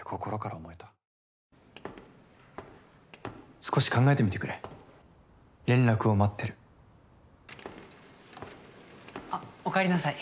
少し考えてみてくれ連絡を待あっおかえりなさい。